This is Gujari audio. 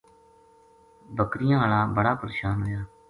بکریاں ہالا بڑا پریشان ہویا۔